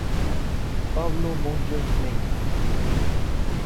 Pablo Monger Flames.